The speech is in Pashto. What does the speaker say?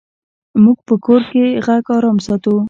موږ په کور کې غږ آرام ساتو.